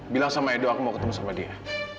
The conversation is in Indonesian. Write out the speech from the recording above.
bilang sama edo aku mau ketemu sama dia